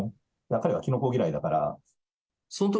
彼はキノコ嫌いだから。